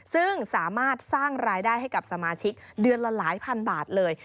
ซึ่งสามารถสร้างรายได้ให้กับสมาชิกเดือนละหลายพันบาทเลย